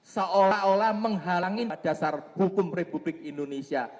seolah olah menghalangi dasar hukum republik indonesia